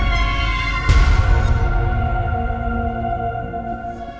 tadi pagi dia demam